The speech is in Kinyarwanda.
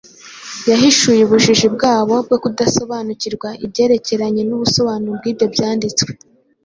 Yahishuye ubujiji bwabo bwo kudasobanukirwa ibyerekeranye n’ubusobanuro bw’ibyo Byanditswe